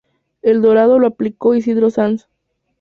El dorado lo aplicó Isidoro Sanz.